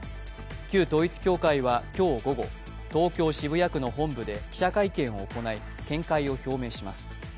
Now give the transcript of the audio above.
旧統一教会は今日午後、東京・渋谷区の本部で記者会見を行い、見解を表明します。